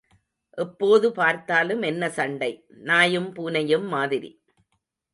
எப்போது பார்த்தாலும் என்ன சண்டை, நாயும் பூனையும் மாதிரி?